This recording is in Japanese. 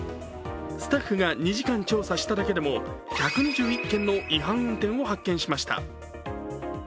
スタッフが２時間調査しただけでも１２１件の違反運転を発見しました。